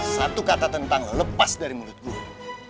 satu kata tentang lo lepas dari mulut gue